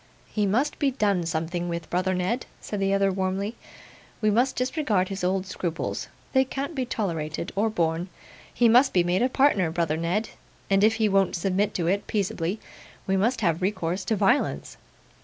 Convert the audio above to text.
'He must be done something with, brother Ned,' said the other, warmly; 'we must disregard his old scruples; they can't be tolerated, or borne. He must be made a partner, brother Ned; and if he won't submit to it peaceably, we must have recourse to violence.